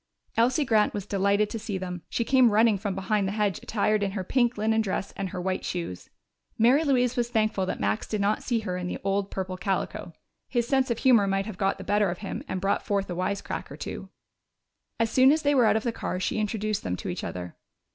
Elsie Grant was delighted to see them. She came running from behind the hedge attired in her pink linen dress and her white shoes. Mary Louise was thankful that Max did not see her in the old purple calico. His sense of humor might have got the better of him and brought forth a wisecrack or two. As soon as they were out of the car she introduced them to each other.